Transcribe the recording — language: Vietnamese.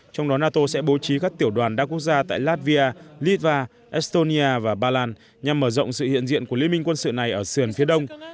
trong đó nato sẽ bố trí các tiểu đoàn đa quốc gia tại latvia litva estonia và ba lan nhằm mở rộng sự hiện diện của liên minh quân sự này ở sườn phía đông